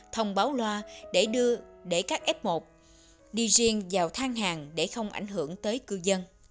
thông báo loa để các f một đi riêng vào thang hàng để không ảnh hưởng tới cư dân